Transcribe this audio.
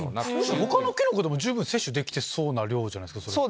他のキノコでも十分摂取できてそうな量じゃないですか。